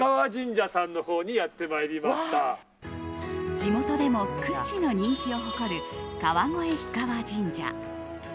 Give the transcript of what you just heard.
地元でも屈指の人気を誇る川越氷川神社。